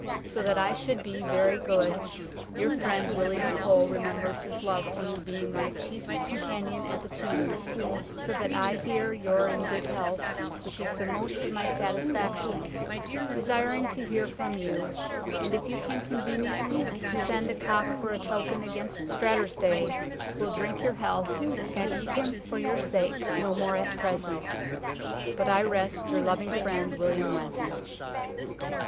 ... So that I should be very g .. d : yr Frend William Cole remembers His love to you being my Cheaf Com pannyion at the tombs so That I here your in good health wich is the most of my satisfaction, desiring to here from you, and if you can conveniantly to send a Cock for a token against Sraftusday will drink your health and eat him for your Saek no more at present. But i rest your loveing frend WILLIAM WEST."